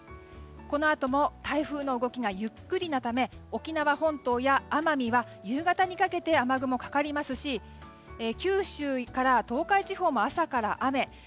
このあとも台風の動きがゆっくりなため沖縄本島や奄美は夕方にかけて雨雲、かかりますし九州から東海地方も朝から雨。